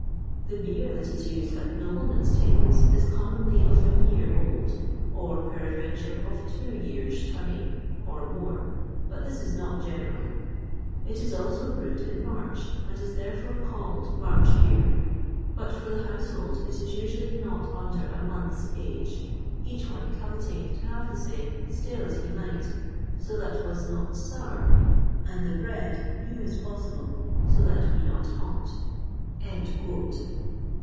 The beere that is used at noblemen's tables is commonly of a yeare olde (or, peradventure, of twoo yeares' tunning, or more, but this is not general); it is also brued in Marche, and is therefore called Marche beere; but for the household it is usually not under a monthe's age, eache one coveting to have the same stale as he might, so that was not soure, and the breade new as possible, so that be not hote."